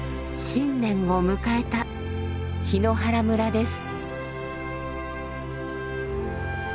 新年を迎えた檜原村です。